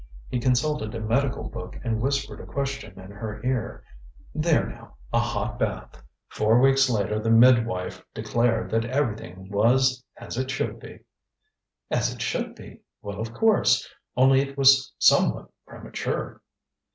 He consulted a medical book and whispered a question in her ear. ŌĆ£There now! a hot bath! ŌĆØ Four weeks later the midwife declared that everything was ŌĆ£as it should be. ŌĆØ ŌĆ£As it should be? Well, of course! Only it was somewhat premature!